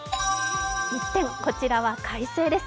一転、こちらは快晴です。